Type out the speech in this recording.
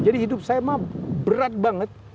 jadi hidup saya emang berat banget